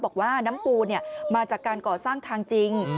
บอกว่าน้ำปูมาจากการก่อสร้างทางจริง